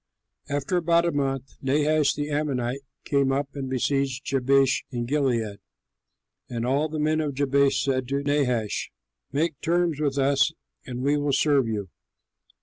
After about a month, Nahash, the Ammonite, came up and besieged Jabesh in Gilead; and all the men of Jabesh said to Nahash, "Make terms with us and we will serve you."